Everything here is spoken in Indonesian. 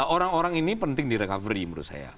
orang orang ini penting di recovery menurut saya